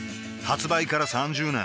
発売から３０年